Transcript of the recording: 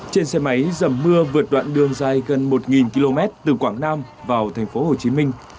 trên xe máy dầm mưa vượt đoạn đường dài gần một km từ quảng nam vào thành phố hồ chí minh